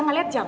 ngga liat jam